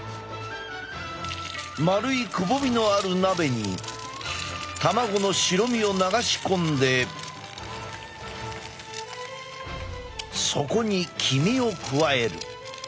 丸いくぼみのある鍋に卵の白身を流し込んでそこに黄身を加える。